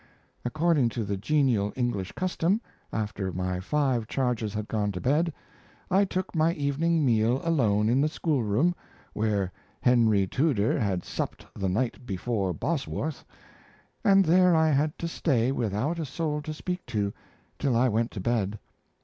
According to the genial English custom, after my five charges had gone to bed, I took my evening meal alone in the school room, where "Henry Tudor had supped the night before Bosworth," and there I had to stay without a soul to speak to till I went to bed.